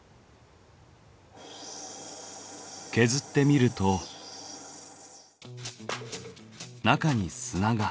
削ってみると中に砂が。